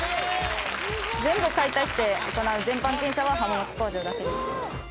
全部解体して行う全般検査は浜松工場だけです。